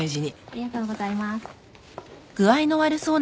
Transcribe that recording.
ありがとうございます。